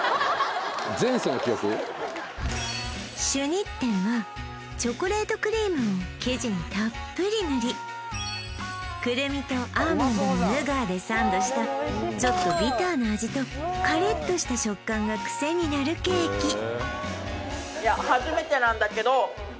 シュニッテンはチョコレートクリームを生地にたっぷり塗りクルミとアーモンドのヌガーでサンドしたちょっとビターな味とカリッとした食感がくせになるケーキ